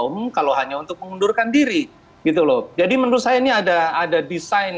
umum kalau hanya untuk mengundurkan diri gitu loh jadi menurut saya ini ada ada desain